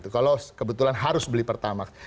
kalau kebetulan harus beli pertamak